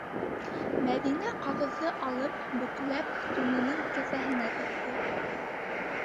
Мәҙинә, ҡағыҙҙы алып, бөкләп, тунының кеҫәһенә тыҡты: